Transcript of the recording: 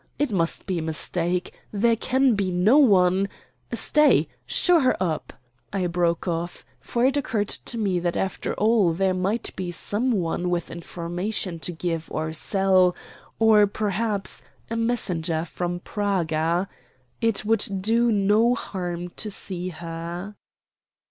It must be a mistake. There can be no one Stay; show her up," I broke off, for it occurred to me that after all there might be some one with information to give or sell; or, perhaps, a messenger from Praga. It would do no harm to see her.